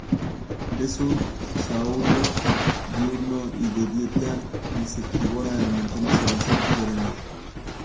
Es un saurio diurno y de dieta insectívora, alimentándose de insectos y arañas.